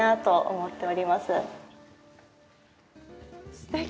すてき！